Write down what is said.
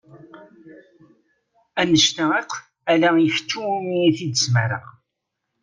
Annect-a akk ala i kečč iwumi i t-id-smareɣ.